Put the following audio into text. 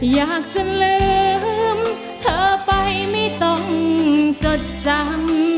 อยากจะลืมเธอไปไม่ต้องจดจำ